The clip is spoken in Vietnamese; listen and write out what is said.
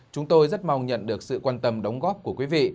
chúng tôi rất mong nhận được sự quan tâm đóng góp của quý vị